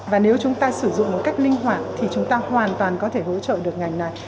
và nếu chúng ta sử dụng một cách linh hoạt thì chúng ta hoàn toàn có thể hỗ trợ được ngành này